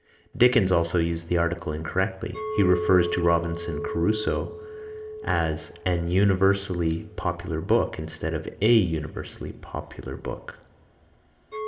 Dickens also used the article incorrectly. He refers to "Robinson Crusoe" as "an universally popular book," instead of a universally popular book.